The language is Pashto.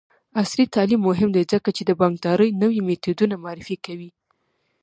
عصري تعلیم مهم دی ځکه چې د بانکدارۍ نوې میتودونه معرفي کوي.